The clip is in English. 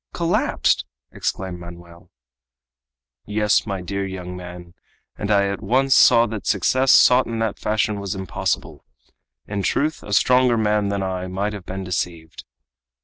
"Collapsed!" exclaimed Manoel. "Yes, my dear young man, and I at once saw that success sought in that fashion was impossible. In truth, a stronger man than I might have been deceived."